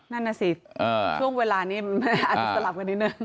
นั่นน่ะสิช่วงเวลานี้มันอาจจะสลับกันนิดนึง